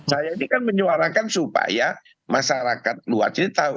saya ini kan menyuarakan supaya masyarakat luas ini tahu